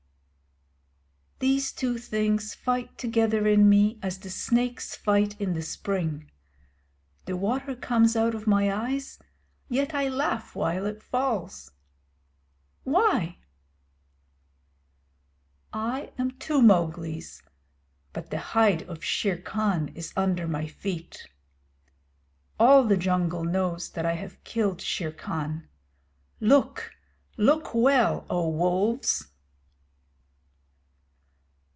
These two things fight together in me as the snakes fight in the spring. The water comes out of my eyes; yet I laugh while it falls. Why? I am two Mowglis, but the hide of Shere Khan is under my feet. All the Jungle knows that I have killed Shere Khan. Look, look well, O Wolves!